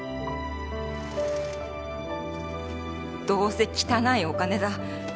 「どうせ汚いお金だ」